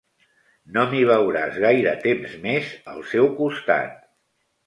No m'hi veuràs gaire temps més, al seu costat.